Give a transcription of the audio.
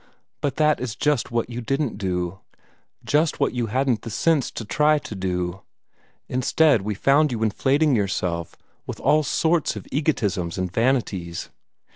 Rut that is just what you didn't do just what you hadn't the sense to try to do. Instead, we found you inflating yourself with all sorts of egotisms and vanities.